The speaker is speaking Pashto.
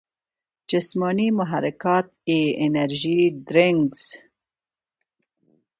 جسماني محرکات ئې انرجي ډرنکس ،